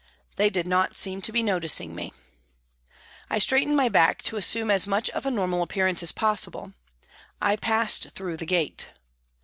They did not seem to be noticing me. I straightened my back to assume as much of a normal appearance as possible. I passed through the gate.